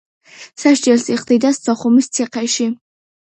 სასჯელს იხდიდა სოხუმის ციხეში.